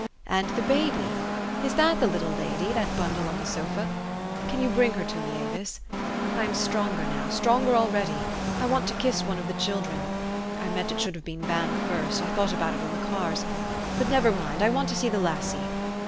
'' And the baby ? Is that the little lady, that bun dle on the sofa? Can you bring her to me, Avis? I am stronger now, stronger already. I want to kiss one of the children. I meant it should have been Van first. I thought about it in the cars. But never mind. I want to see the lassie.